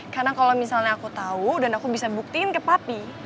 karena kalau misalnya aku tau dan aku bisa buktiin ke papi